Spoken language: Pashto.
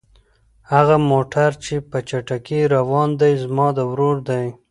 هغه موټر چې په چټکۍ روان دی زما د ورور دی.